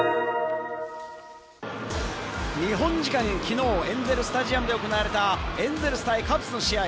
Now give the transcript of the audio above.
日本時間きのう、エンゼル・スタジアムで行われたエンゼルス対カブスの試合。